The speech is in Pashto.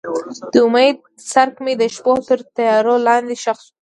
د امید څرک مې د شپو تر تیارو لاندې ښخ شو.